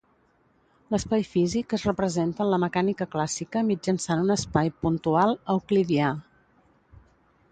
L'espai físic es representa en la Mecànica Clàssica mitjançant un espai puntual euclidià.